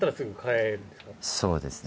そうですね。